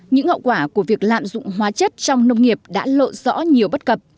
những hậu quả của việc lạm dụng hóa chất trong nông nghiệp đã lộ rõ nhiều bất cập